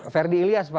ferdi ilyas pak